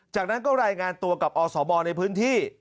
จากนั้นก็รายงานตัวกับอสมในพื้นที่